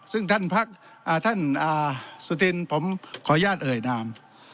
ซึ่งท่านพักท่านสุธินผมขออนุญาตเอ่ยนาม